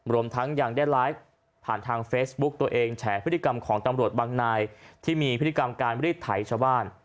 รวมทั้งยังได้ไลฟ์ผ่านทางเฟซบุ๊กตัวเองแฉพฤติกรรมของตำรวจบางนายที่มีพฤติกรรมการรีดไถชาวบ้าน